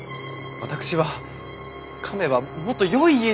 私は亀はもっとよい家にもっと！